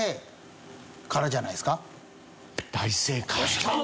大正解。